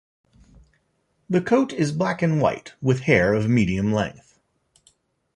The coat is black and white with hair of medium length.